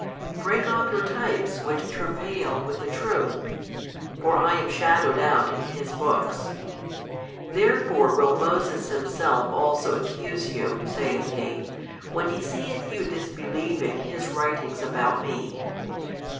Break off your types which travail with the truth. For I am shadowed out in his books. Therefore will Moses himself also accuse you (saith He) when he seeth you disbelieving his writings about Me.